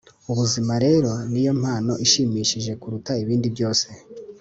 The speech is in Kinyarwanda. ubuzima rero ni yo mpano ishimishije kuruta ibindi byose